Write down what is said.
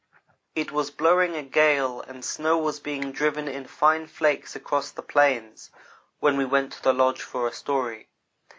It was blowing a gale and snow was being driven in fine flakes across the plains when we went to the lodge for a story.